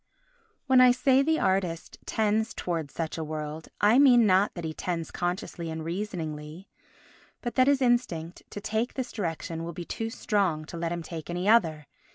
When I say the artist tends towards such a world, I mean not that he tends consciously and reasoningly but that his instinct to take this direction will be too strong to let him take any other.